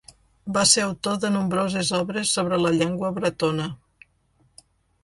Va ser autor de nombroses obres sobre la llengua bretona.